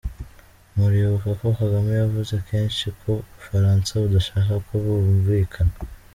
Muribuka ko Kagame yavuze kenshi ko u Bufaransa budashaka ko bumvikana.